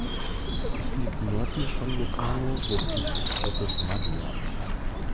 Es liegt nördlich von Locarno westlich des Flusses Maggia.